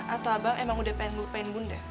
atau abang emang udah pengen bunda